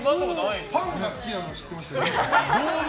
パンが好きなのは知ってました。